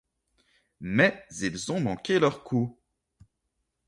Mais ils ont manqué leur coup.